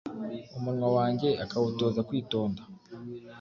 umunwa wanjye akawutoza kwitonda